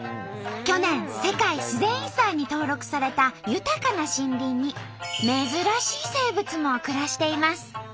去年世界自然遺産に登録された豊かな森林に珍しい生物も暮らしています。